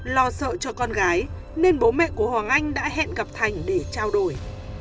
lo sợ cho con gái nên bố mẹ của hoàng anh đã hẹn gặp thành để trao đổi